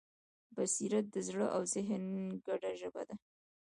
بصیرت د زړه او ذهن ګډه ژبه ده.